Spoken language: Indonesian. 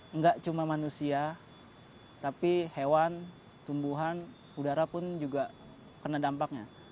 enggak cuma manusia tapi hewan tumbuhan udara pun juga kena dampaknya